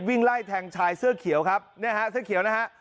วิ่งไล่แทงชายเสื้อเขียวครับเนี่ยฮะเสื้อเขียวนะฮะ